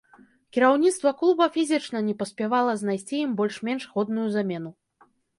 Кіраўніцтва клуба фізічна не паспявала знайсці ім больш-менш годную замену.